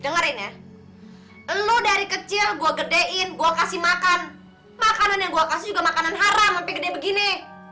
dengerin ya lo dari kecil gue gedein gue kasih makan makanan yang gue kasih juga makanan haram sampai gede begini